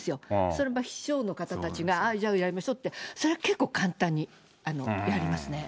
それは秘書の方たちが、ああ、じゃあやりましょって、それは結構簡単にやりますね。